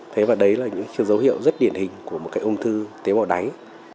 thế mà đấy là những dấu hiệu rất điển hình của một cái ung thư tế bào đáy